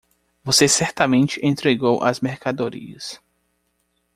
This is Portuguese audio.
Você certamente entregou as mercadorias.